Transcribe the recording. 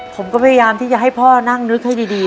ผมก็พยายามที่จะให้พ่อนั่งนึกให้ดี